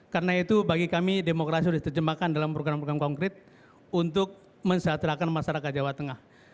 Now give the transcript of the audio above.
karena itu bagi kami demokrasi sudah terjemahkan dalam program program konkret untuk mensatirakan masyarakat jawa tengah